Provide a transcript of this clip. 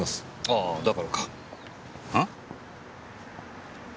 ああだからかあ？あっ！？